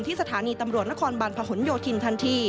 ที่สถานีดนตรนครบานพหลยถิน